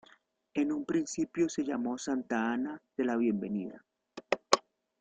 En un principio se llamó Santa Ana de la Bienvenida.